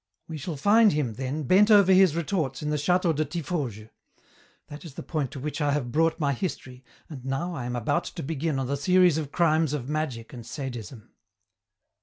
"We shall find him, then, bent over his retorts in the château de Tiffauges. That is the point to which I have brought my history, and now I am about to begin on the series of crimes of magic and sadism."